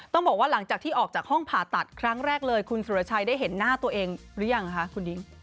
บอกว่าหลังจากที่ออกจากห้องผ่าตัดครั้งแรกเลยคุณสุรชัยได้เห็นหน้าตัวเองหรือยังคะคุณดิ้ง